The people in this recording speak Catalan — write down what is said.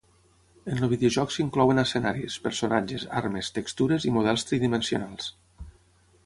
En el videojoc s'inclouen escenaris, personatges, armes, textures i models tridimensionals.